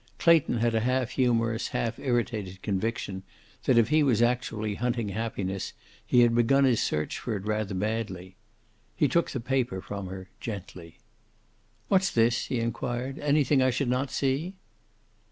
Clayton had a half humorous, half irritated conviction that if he was actually hunting happiness he had begun his search for it rather badly. He took the paper from her, gently. "What's this?" he inquired. "Anything I should not see?"